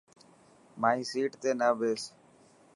مائي سيٽ تي نه ٻيس.